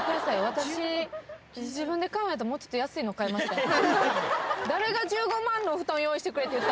私、自分で買うんやったら、もうちょっと安いの買いました。